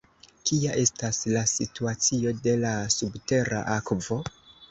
Kia estas la situacio de la subtera akvo?